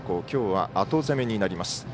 きょうは後攻めになります。